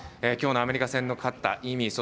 きょうのアメリカ戦の勝った意味